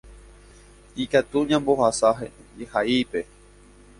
ikatu ñambohasa jehaípe.